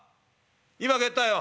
今帰ったよ」。